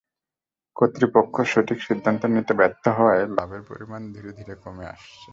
কর্তৃপক্ষ সঠিক সিদ্ধান্ত নিতে ব্যর্থ হওয়ায় লাভের পরিমাণ ধীরে ধীরে কমে আসছে।